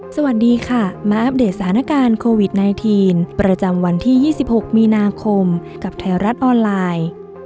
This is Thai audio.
สวัสดีค่ะมาอัปเดตสถานการณ์โควิด๑๙ประจำวันที่๒๖มีนาคมกับไทยรัฐออนไลน์